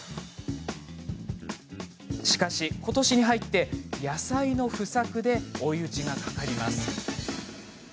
しかし、ことしに入って野菜の不作で追い打ちがかかります。